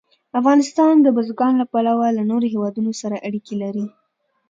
افغانستان د بزګان له پلوه له نورو هېوادونو سره اړیکې لري.